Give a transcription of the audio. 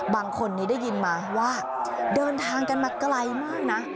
บางคนนี้ได้ยินมาว่าเดินทางกันมาไกลมากนะ